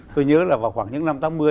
tôi nhớ là vào khoảng những năm tám mươi